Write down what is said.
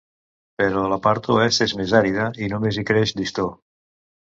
Però la part oest és més àrida i només hi creix llistó.